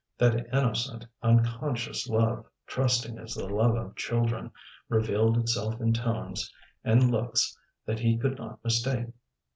That innocent, unconscious love, trusting as the love of children, revealed itself in tones and looks that he could not mistake.